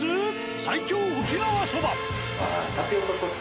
最強沖縄そば。